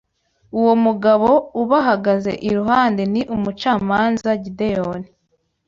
Uwo mugabo ubahagaze iruhande ni umucamanza Gideyoni.